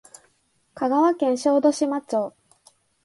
香川県小豆島町